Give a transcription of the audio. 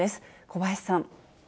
小林さん。